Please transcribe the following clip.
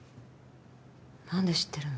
何で知ってるの？